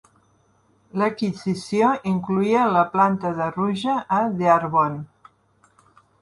L'adquisició incloïa la planta de Rouge a Dearborn.